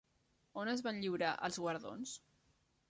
On es van lliurar els guardons?